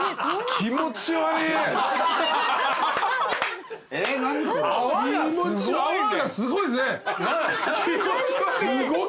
気持ち悪い。